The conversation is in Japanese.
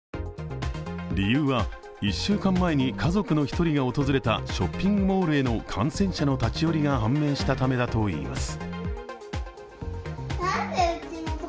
理由は１週間前に家族の１人が訪れたショッピングモールへの感染者の立ち寄りが判明したためだといいます。